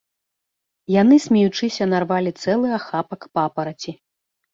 Яны, смеючыся, нарвалі цэлы ахапак папараці.